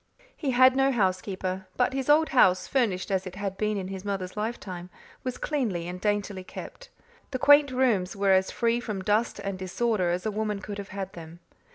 He had no housekeeper; but his old house, furnished as it had been in his mother's lifetime, was cleanly and daintily kept. The quaint rooms were as free from dust and disorder as a woman could have had them.